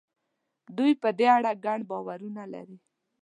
دوی په دې اړه ګڼ باورونه لري.